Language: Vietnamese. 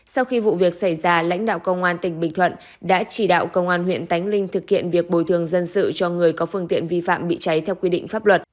sau khi vụ việc xảy ra lãnh đạo công an tỉnh bình thuận đã chỉ đạo công an huyện tánh linh thực hiện việc bồi thường dân sự cho người có phương tiện vi phạm bị cháy theo quy định pháp luật